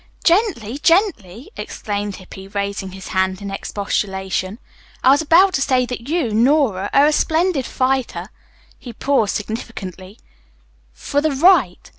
"Gently, gently!" exclaimed Hippy, raising his hand in expostulation. "I was about to say that you, Nora, are a splendid fighter" he paused significantly "for the right.